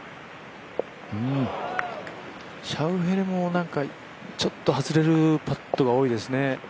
シャウフェレもなんかちょっと外れるパットが多いですね。